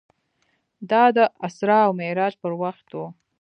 دا د اسرا او معراج پر وخت و.